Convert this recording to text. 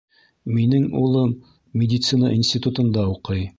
Минең улым медицина институтында уҡый.